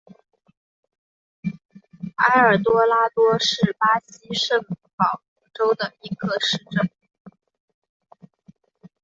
埃尔多拉多是巴西圣保罗州的一个市镇。